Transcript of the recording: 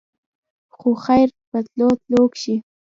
خو خېر په تلو تلو کښې